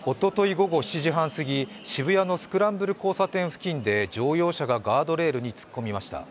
午後７時半すぎ、渋谷のスクランブル交差点付近で、乗用車がガードレールに突っ込みました。